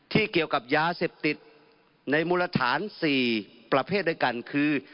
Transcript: เกี่ยวกับยาเสพติดในมูลฐาน๔ประเภทด้วยกันคือ